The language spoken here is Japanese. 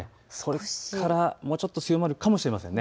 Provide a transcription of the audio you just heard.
もうちょっと強まるかもしれません。